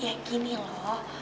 ya gini loh